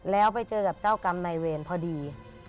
แล้วไปเจอกับเจ้ากรรมในเวรพอดี